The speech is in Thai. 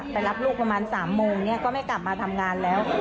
ไปรับลูกประมาณ๓โมงเนี่ยก็ไม่กลับมาทำงานแล้ว